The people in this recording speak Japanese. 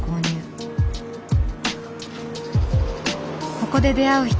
ここで出会う人